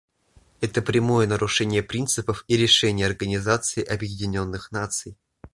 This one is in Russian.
Это прямое нарушение принципов и решений Организации Объединенных Наций.